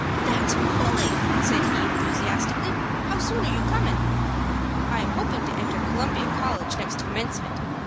"That's bully," said he, enthusiastically. "How soon are you comin'?" "I am hoping to enter Columbia College next commencement.